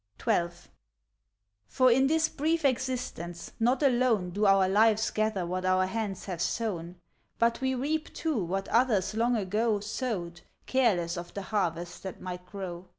XII. For in this brief existence, not alone Do our lives gather what our hands have sown, But we reap, too, what others long ago Sowed, careless of the harvests that might grow.